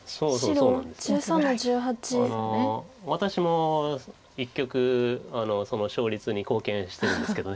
私も１局勝率に貢献してるんですけど。